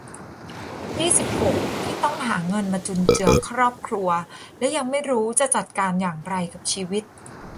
ยี่สิบหก ที่ต้องหาเงินมาจุนเจือครอบครัวและยังไม่รู้จะจัดการอย่างไรกับชีวิต